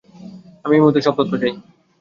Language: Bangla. আমি এই মুহূর্তে সব তথ্য চাই।